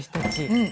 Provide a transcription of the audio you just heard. うん。